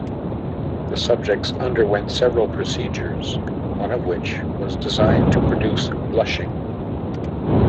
The subjects underwent several procedures, one of which was designed to produce blushing.